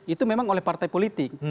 itu memang oleh partai politik